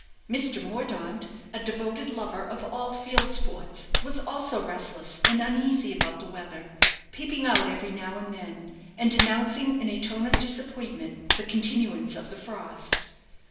Mr. Mordaunt, a devoted lover of all field sports, was also restless and uneasy about the weather, peeping out every now and then, and announcing, in a tone of disappointment, the continuance of the frost.